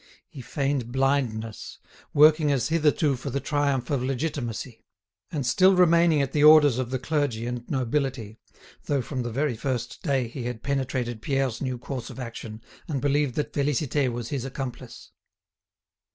He feigned blindness, working as hitherto for the triumph of Legitimacy, and still remaining at the orders of the clergy and nobility, though from the very first day he had penetrated Pierre's new course of action, and believed that Félicité was his accomplice.